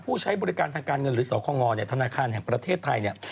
ผู้ใช้บริการทางการเงินหรือสมคงองรธนาคารไทยเนี่ย